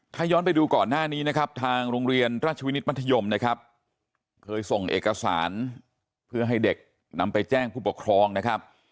ถ้าย้อนไปดูก่อนหน้านี้นะครับทางโรงเรียนราชวินิตมัธยมนะครับเคยส่งเอกสารเพื่อให้เด็กนำไปแจ้งผู้ปกครองนะครับ